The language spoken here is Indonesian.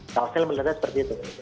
kalau saya melihatnya seperti itu